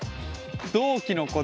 同期の子